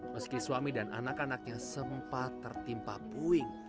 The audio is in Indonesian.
meski suami dan anak anaknya sempat tertimpa puing